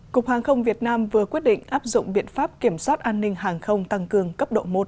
cục hàng không việt nam vừa quyết định áp dụng biện pháp kiểm soát an ninh hàng không tăng cường cấp độ một